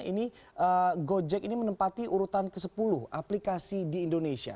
ini gojek ini menempati urutan ke sepuluh aplikasi di indonesia